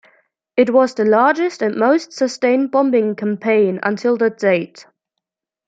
It was the largest and most sustained bombing campaign until that date.